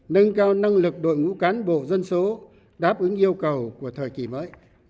nâng cao năng lực đội ngũ cán bộ dân số đáp ứng yêu cầu của thời kỳ mới